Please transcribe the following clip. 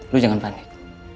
lo jangan panik